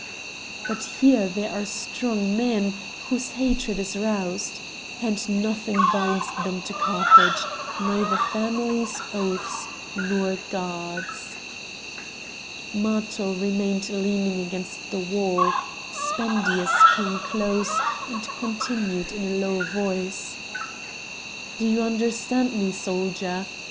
"But here there are strong men whose hatred is roused! and nothing binds them to Carthage, neither families, oaths nor gods!" Matho remained leaning against the wall; Spendius came close, and continued in a low voice: "Do you understand me, soldier?